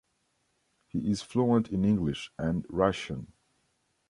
He is fluent in English and Russian.